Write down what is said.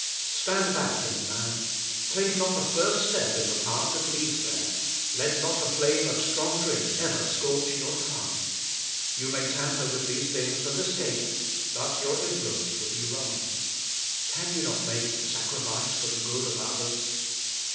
Stand back, young man! Take not the first step in the path that leads here. Let not the flame of strong drink ever scorch your tongue. You may tamper with these things and escape, but your influence will be wrong. Can you not make a sacrifice for the good of others?